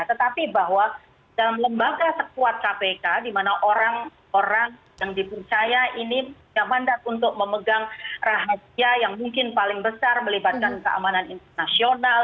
tetapi bahwa dalam lembaga sekuat kpk di mana orang yang dipercaya ini punya mandat untuk memegang rahasia yang mungkin paling besar melibatkan keamanan internasional